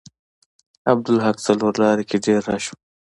عبدالحق څلور لارې کې ډیر رش و.